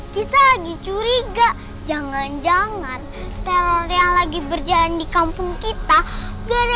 kita lagi curiga jangan jangan epsilon yang lagi berjalan di kampung kita gara gara bang tiun